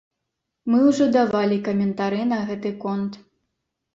Мы ўжо давалі каментары на гэты конт!